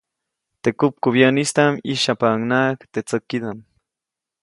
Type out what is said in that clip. Teʼ kupkubyäʼnistaʼm ʼyĩsyajpaʼunhnaʼajk teʼ tsäkidaʼm.